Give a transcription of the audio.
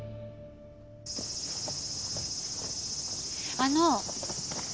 あの。